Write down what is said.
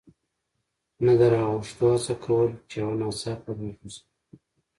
نه د را اوښتو هڅه کول، چې یو ناڅاپه ور وغورځېد.